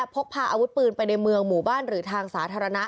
พกพาอาวุธปืนไปในเมืองหมู่บ้านหรือทางสาธารณะ